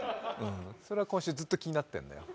それが今週ずっと気になってるんだよ。